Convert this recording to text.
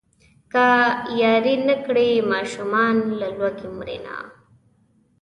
که ياري نه کړي ماشومان له لوږې مرينه.